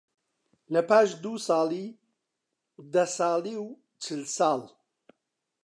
لەپاش دوو ساڵی، دە ساڵی و چل ساڵ